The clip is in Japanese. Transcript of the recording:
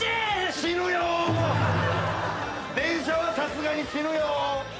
電車はさすがに死ぬよ。